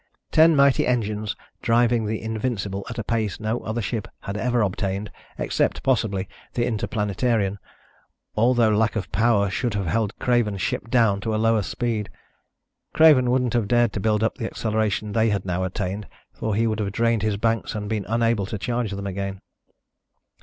Ten mighty engines, driving the Invincible at a pace no other ship had ever obtained, except, possibly, the Interplanetarian, although lack of power should have held Craven's ship down to a lower speed. Craven wouldn't have dared to build up the acceleration they had now attained, for he would have drained his banks and been unable to charge them again.